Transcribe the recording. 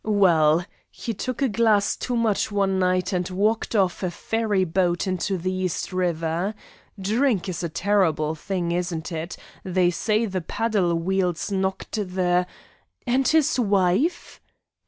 Well, he took a glass too much one night, and walked off a ferry boat into the East River. Drink is a terrible thing, isn't it? They say the paddle wheels knocked the " "And his wife?"